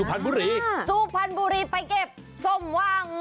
สุพรรณบุรีสุพรรณบุรีไปเก็บสมหวัง